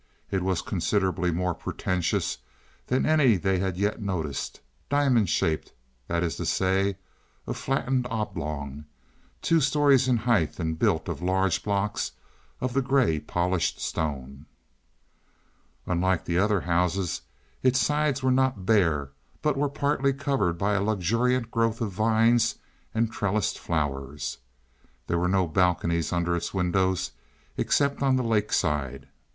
It was considerably more pretentious than any they had yet noticed, diamond shaped that is to say, a flattened oblong two stories in height and built of large blocks of the gray polished stone. Unlike the other houses, its sides were not bare, but were partly covered by a luxuriant growth of vines and trellised flowers. There were no balconies under its windows, except on the lake side.